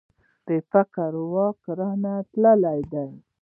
د فکر واګي رانه تللي وو.